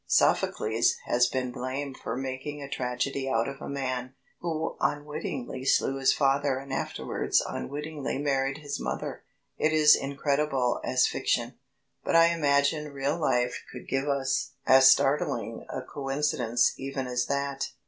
Sophocles has been blamed for making a tragedy out of a man who unwittingly slew his father and afterwards unwittingly married his mother. It is incredible as fiction; but I imagine real life could give us as startling a coincidence even as that.